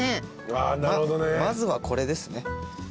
まずはこれですね。